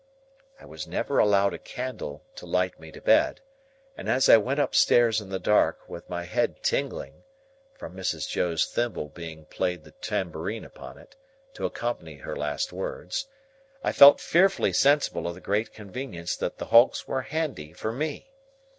I was never allowed a candle to light me to bed, and, as I went upstairs in the dark, with my head tingling,—from Mrs. Joe's thimble having played the tambourine upon it, to accompany her last words,—I felt fearfully sensible of the great convenience that the hulks were handy for me.